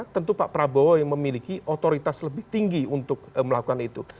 tentu pak prabowo yang memiliki otoritas lebih tinggi untuk melakukan itu